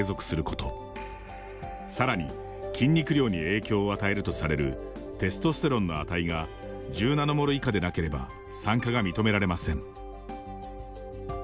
さらに筋肉量に影響を与えるとされるテストステロンの値が１０ナノモル以下でなければ参加が認められません。